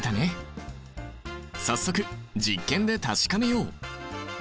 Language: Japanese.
早速実験で確かめよう！